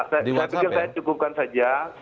udah lah saya cukupkan saja